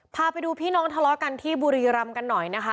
พาไปดูพี่น้องทะเลาะกันที่บุรีรำกันหน่อยนะคะ